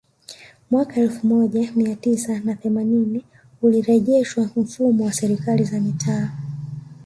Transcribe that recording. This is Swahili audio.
Mwaka elfu moja mia tisa na themanini ulirejeshwa mfumo wa Serikali za Mitaa